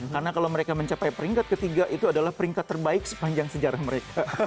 karena kalau mereka mencapai peringkat ketiga itu adalah peringkat terbaik sepanjang sejarah mereka